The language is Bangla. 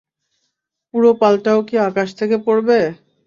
পুরো পালটাও কি আকাশ থেকে পড়বে?